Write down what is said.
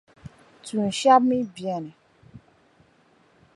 Tuun’ shεba mi beni.